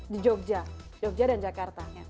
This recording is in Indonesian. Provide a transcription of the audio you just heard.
di jogja jogja dan jakarta